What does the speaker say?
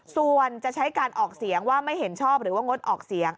ส่วนจะใช้การออกเสียงว่าไม่เห็นชอบหรือว่างดออกเสียง